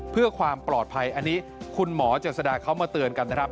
เพื่อความปลอดภัยอันนี้คุณหมอเจษฎาเขามาเตือนกันนะครับ